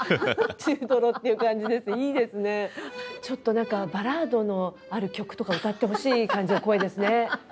ちょっと何かバラードのある曲とか歌ってほしい感じの声ですね。